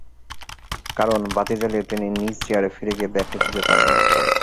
কারণ, বাতি জ্বালিয়ে তিনি নিজ চেয়ারে ফিরে গিয়ে ব্যাগটি খুঁজে পাননি।